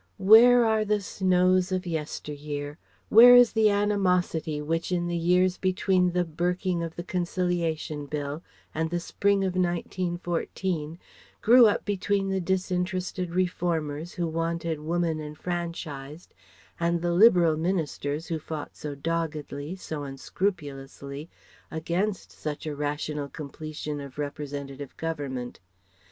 Where are the snows of yester year; where is the animosity which in the years between the burking of the Conciliation Bill and the spring of 1914 grew up between the disinterested Reformers who wanted Woman enfranchised and the Liberal ministers who fought so doggedly, so unscrupulously, against such a rational completion of representative government?